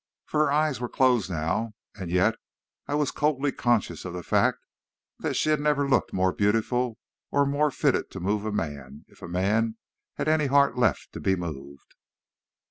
For her eyes were closed now, and yet I was coldly conscious of the fact that she had never looked more beautiful or more fitted to move a man, if a man had any heart left to be moved.